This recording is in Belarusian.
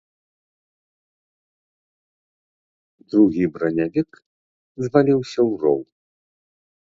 Другі бранявік зваліўся ў роў.